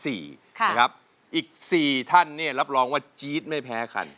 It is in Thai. อีก๔ท่านรับรองว่าจี๊ดไม่แพ้กัน